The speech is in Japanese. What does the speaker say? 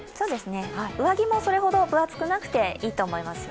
上着もそれほど分厚くなくていいと思いますよ。